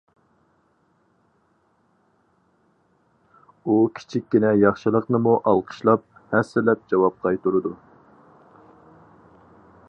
ئۇ كىچىككىنە ياخشىلىقنىمۇ ئالقىشلاپ، ھەسسىلەپ جاۋاب قايتۇرىدۇ.